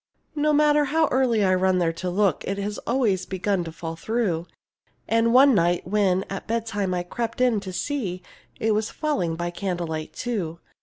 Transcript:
No matter how early I run there to look It has always begun to fall through; And one night when at bedtime I crept in to see, It was falling by candle light too.